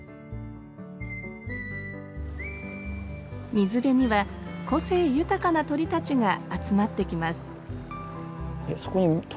水辺には個性豊かな鳥たちが集まってきます